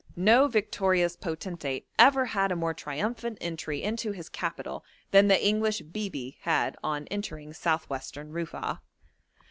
No victorious potentate ever had a more triumphant entry into his capital than the English 'bibi' had on entering South western Rufa'a.